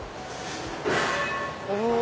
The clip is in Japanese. お！